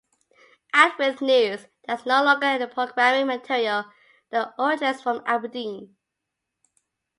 Out with news, there is no longer any programming material that originates from Aberdeen.